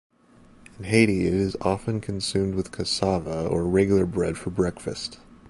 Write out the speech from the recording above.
In Haiti, it is often consumed with cassava or regular bread for breakfast.